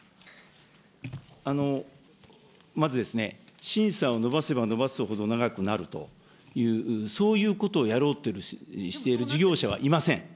まず、審査を延ばせば延ばすほど長くなる、そういうことをやろうとしている事業者はいません。